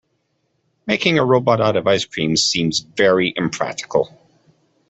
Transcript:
Making a robot out of ice cream seems very impractical.